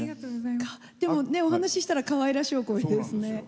でもお話したらかわいらしいお声で。